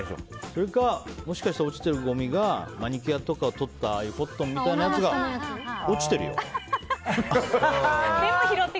それかもしかして落ちているごみがマニキュアをとったコットンみたいなやつが落ちてるよって。